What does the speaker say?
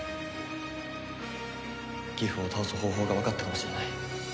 ギフを倒す方法がわかったかもしれない。